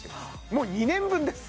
もう２年分です